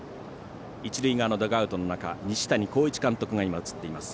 一塁側のダグアウトの中西谷浩一監督が映っています。